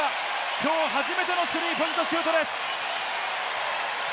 きょう初めてのスリーポイントシュートです。